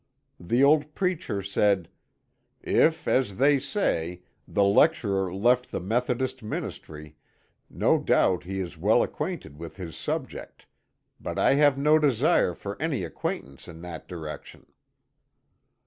The old preacher said :^* If, as they say, the lecturer left the Methodist ministry, no doubt he is well acquainted with his subject, but I have no desire for any acquaintance in that direction."